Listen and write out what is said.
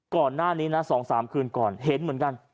ก่อนหน้านี้นะ๒๓คืนก่อนเห็นเหมือนกัน